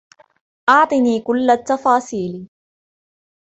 أعطني كل التفاصيل.